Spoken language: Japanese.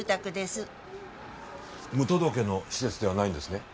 無届けの施設ではないんですね？